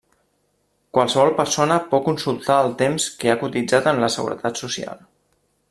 Qualsevol persona pot consultar el temps que ha cotitzat en la seguretat social.